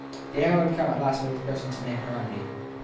The hour had coine at last for this person to name her remedy.